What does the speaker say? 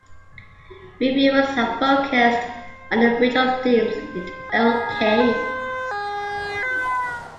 Reviewers have focused on a range of themes in "Earl Cain".